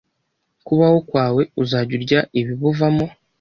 kubaho kwawe uzajya urya ibibuvamo